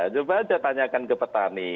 coba aja tanyakan ke petani